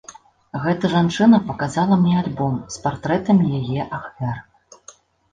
Гэта жанчына паказала мне альбом з партрэтамі яе ахвяр.